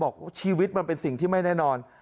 ชีวิตมันเป็นสิ่งที่ไม่แน่นอน